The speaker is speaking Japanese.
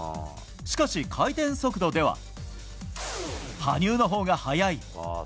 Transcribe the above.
しかし回転速度では羽生のほうが速い。